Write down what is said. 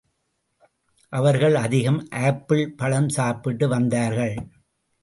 அவர்கள் அதிகம் ஆப்பிள் பழம் சாப்பிட்டு வந்தார்கள்.